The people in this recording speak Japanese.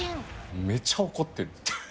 めちゃ怒ってる。